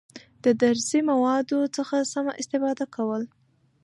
د درسي موادو څخه سمه استفاده کول،